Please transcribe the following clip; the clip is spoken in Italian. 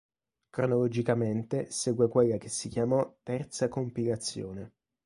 Cronologicamente segue quella che si chiamò terza compilazione.